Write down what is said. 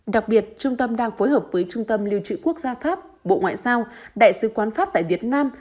đặc biệt trung tâm đang phối hợp với trung tâm lưu trữ quốc gia pháp bộ ngoại giao đại sứ quán pháp tại việt nam